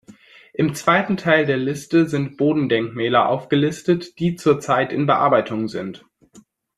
Im zweiten Teil der Liste sind Bodendenkmäler aufgelistet, die zurzeit in Bearbeitung sind.